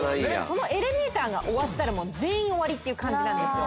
そのエレベーターが終わったら全員終わりっていう感じなんですよ。